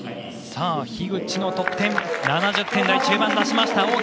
樋口の得点７０点台中盤を出しました。